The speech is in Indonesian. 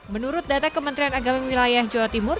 menurut data kementerian agama wilayah jawa timur